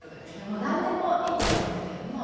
もう何でもいいと思うんですけれども。